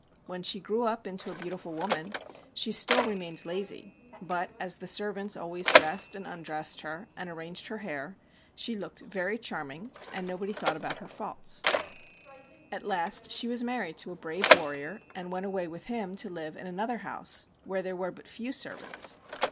When she grew up into a beautiful woman, she still remained lazy; but as the servants always dressed and undressed her, and arranged her hair, she looked very charming, and nobody thought about her faults. Digits b, Google 12 • CHIN CHIN KOBAKAMA At last she was married to a brave warrior, and went away with him to live in another house where there were but few servants.